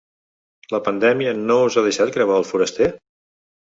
La pandèmia no us ha deixat gravar ‘El Foraster’?